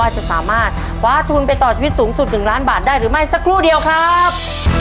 จะสามารถคว้าทุนไปต่อชีวิตสูงสุด๑ล้านบาทได้หรือไม่สักครู่เดียวครับ